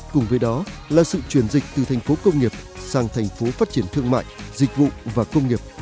cùng với đó là sự chuyển dịch từ thành phố công nghiệp sang thành phố phát triển thương mại dịch vụ và công nghiệp